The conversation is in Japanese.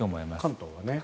関東はね。